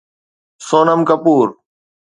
Sonam Kapoor